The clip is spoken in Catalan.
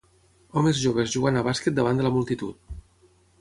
Homes joves jugant a bàsquet davant de la multitud.